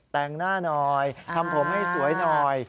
แต่งหน้าหน่อยทำผมให้สวยหน่อย